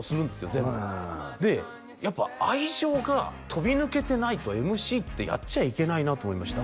全部でやっぱ愛情が飛び抜けてないとＭＣってやっちゃいけないなと思いました